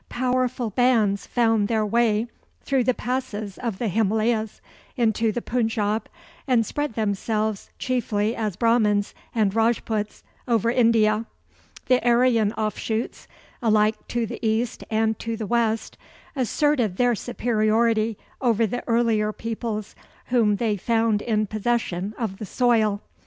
Powerful bands found their way through the passes of the Himalayas into the Punjab, and spread themselves, chiefly as Brahmans and Rajputs, over India. The Aryan offshoots, alike to the east and to the west, asserted their superiority over the earlier peoples whom they found in possession of the soil.